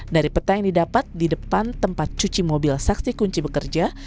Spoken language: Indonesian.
dari peta yang didapat di depan tempat cuci mobil saksi kunci bekerja